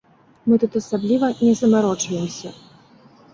Мы тут асабліва не замарочваемся.